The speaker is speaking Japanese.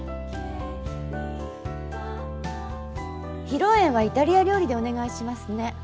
披露宴はイタリア料理でお願いしますね。